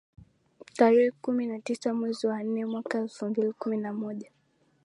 Tarehe kumi na tisa mwezi wa nne mwaka wa elfu mbili kumi na moja